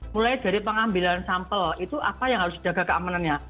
mulai dari pengambilan sampel itu apa yang harus dijaga keamanannya